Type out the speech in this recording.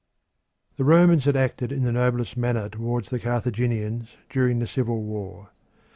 The Romans had acted in the noblest manner towards the Carthaginians during the civil war.